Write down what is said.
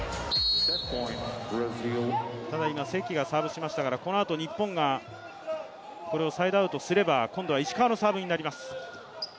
ただ今、関がサーブをしましたからこのあと日本がこれをサイドアウトすれば今度は石川のサーブになります。